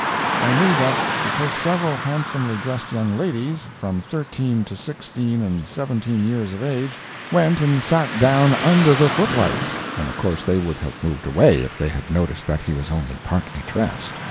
I knew that, because several handsomely dressed young ladies, from thirteen to sixteen and seventeen years of age, went and sat down under the foot lights, and of course they would have moved away if they had noticed that he was only partly dressed.